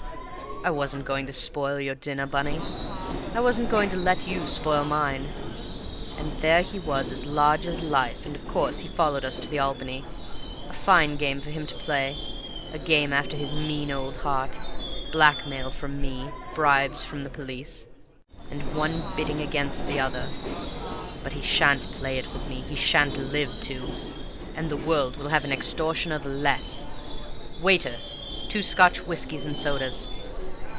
"I wasn't going to spoil your dinner, Bunny, and I wasn't going to let you spoil mine. But there he was as large as life, and, of course, he followed us to the Albany. A fine game for him to play, a game after his mean old heart: blackmail from me, bribes from the police, the one bidding against the other; but he sha'n't play it with me, he sha'n't live to, and the world will have an extortioner the less. Waiter! Two Scotch whiskeys and sodas.